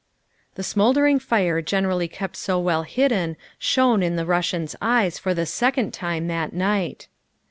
The smouldering fire generally kept so well hidden shone in the Russian's eyes for the second time that night.